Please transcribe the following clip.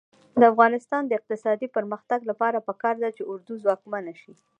د افغانستان د اقتصادي پرمختګ لپاره پکار ده چې اردو ځواکمنه وي.